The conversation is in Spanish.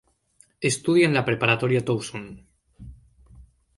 Estudia en la Preparatoria Towson.